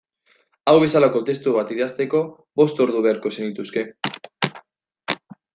Hau bezalako testu bat idazteko bost ordu beharko zenituzke.